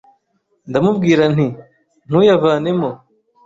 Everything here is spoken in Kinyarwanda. ndamubwira nti ntuyavanemo